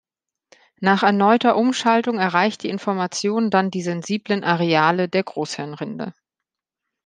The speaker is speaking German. Nach erneuter Umschaltung erreicht die Information dann die sensiblen Areale der Großhirnrinde.